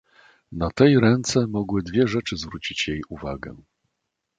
"Na tej ręce mogły dwie rzeczy zwrócić jej uwagę."